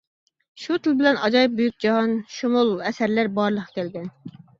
شۇ تىل بىلەن ئاجايىپ بۈيۈك جاھانشۇمۇل ئەسەرلەر بارلىققا كەلگەن.